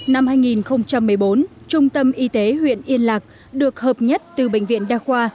năm hai nghìn một mươi bốn trung tâm y tế huyện yên lạc được hợp nhất từ bệnh viện đa khoa